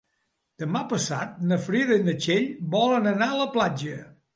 Demà passat na Frida i na Txell volen anar a la platja.